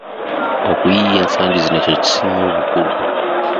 Okuyiiya ensangi zino kye kisinga obukulu.